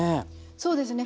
そうですね。